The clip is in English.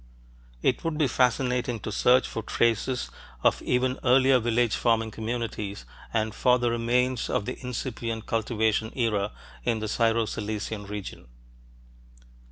It would be fascinating to search for traces of even earlier village farming communities and for the remains of the incipient cultivation era, in the Syro Cilician region.